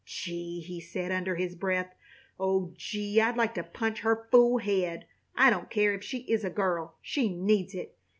"Gee!" he said, under his breath. "Oh, gee! I'd like to punch her fool head. I don't care if she is a girl! She needs it.